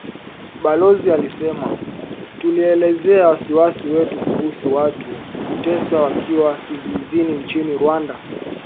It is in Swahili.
Balozi alisema, tulielezea wasiwasi wetu kuhusu watu kuteswa wakiwa kizuizini nchini Rwanda